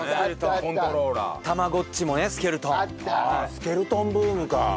スケルトンブームか。